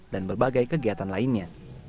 dan berbagai kegiatan lainnya